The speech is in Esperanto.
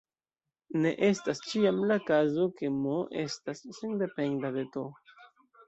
Ne estas ĉiam la kazo ke "m" estas sendependa de "t".